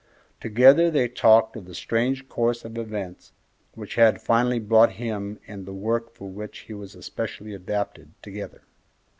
Together they talked of the strange course of events which had finally brought him and the work for which he was especially adapted together.